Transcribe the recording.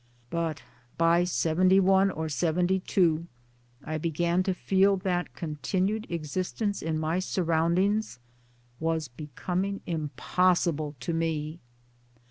But by '71 and '72 I began to feel that continued existence in my surroundings was becoming impos sible to me.